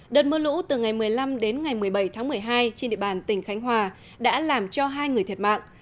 đợt mưa lũ từ ngày một mươi năm đến ngày một mươi bảy tháng một mươi hai trên địa bàn tỉnh khánh hòa đã làm cho hai người thiệt mạng